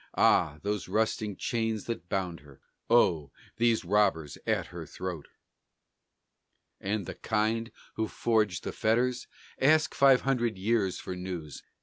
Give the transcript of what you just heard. Ah! these rusting chains that bound her! Oh! these robbers at her throat! And the kind who forged these fetters? Ask five hundred years for news.